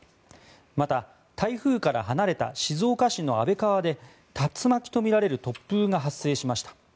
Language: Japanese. また、台風から離れた静岡市の安倍川で竜巻とみられる突風が発生しました。